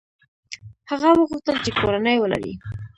هغه وغوښتل چې کورنۍ ولري.